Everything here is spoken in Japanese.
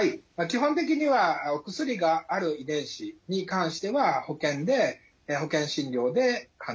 基本的にはお薬がある遺伝子に関しては保険で保険診療で可能です。